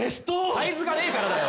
サイズがねえからだよ。